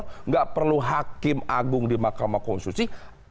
tidak perlu hakim agung di mahkamah konstitusi